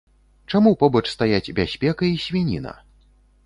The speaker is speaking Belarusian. Чаму побач стаяць бяспека і свініна?